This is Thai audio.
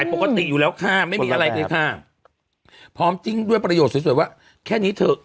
ใส่ปกติอยู่แล้วค่ะคนแปลกเลยค่ะพร้อมจริงด้วยประโยชน์สุดสวยว่าแค่นี้เถอะ